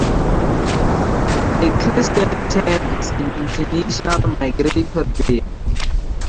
The crested tern is an international migratory bird.